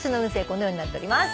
このようになっております。